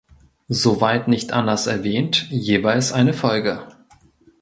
Soweit nicht anders erwähnt jeweils eine Folge.